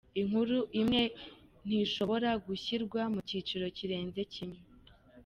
Inkuru imwe ntishobora gushyirwa mu cyiciro kirenze kimwe.